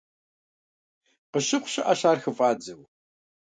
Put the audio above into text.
Къыщыхъу щыӀэщ ар хыфӀадзэу.